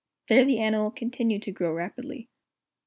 There the animal continued to grow rapidly.